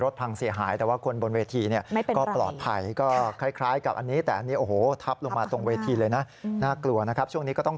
แต่โชคดีที่มันเอ็มไปด้านหลัง